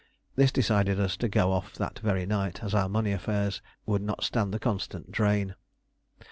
This decided us to go off that very night, as our money affairs would not stand the constant drain.